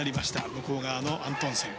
向こう側のアントンセン。